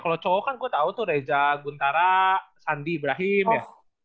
kalo cowok kan gua tau tuh reza guntara sandi ibrahim ya